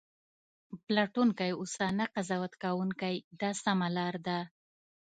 پلټونکی اوسه نه قضاوت کوونکی دا سمه لار ده.